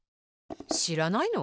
しらないの？